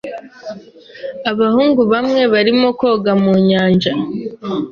Abahungu bamwe barimo koga mu nyanja.